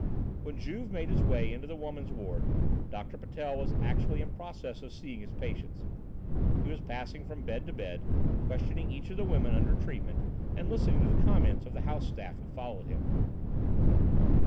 When Juve made his way into the woman's ward, Doctor Patel was actually in process of seeing his patients. He was passing from bed to bed, questioning each of the women under treatment and listening to the comments of the house staff who followed him.